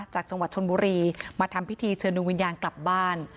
จากจังหวัดชนบุรีมาทำพิธีเชิญดวงวิญญาณกลับบ้าน